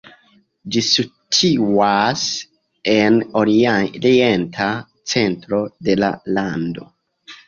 Ĝi situas en orienta centro de la lando.